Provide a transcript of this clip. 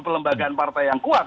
kelembagaan partai yang kuat